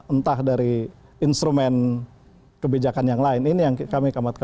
entah dari instrumen kebijakan yang lain ini yang kami khawatirkan